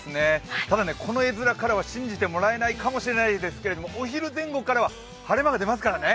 ただ、この画面からは信じてもらえないかもしれませんけれどもお昼前後からは晴れ間が出ますかからね。